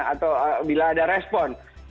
atau bila ada respon